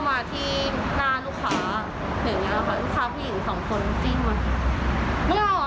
เพื่อที่ลูกค้าจะได้หลบหนีไป